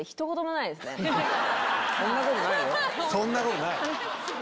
そんなことないよ。